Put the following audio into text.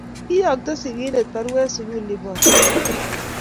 Kiyookto sikinte baruet sukul ibate mait.